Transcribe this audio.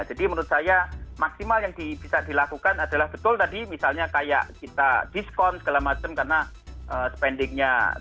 jadi menurut saya maksimal yang bisa dilakukan adalah betul tadi misalnya kayak kita diskon segala macam karena spendingnya ya